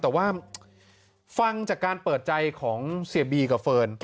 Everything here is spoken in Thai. แต่ว่าฟังจากการเปิดใจของเสียบีกับเฟิร์น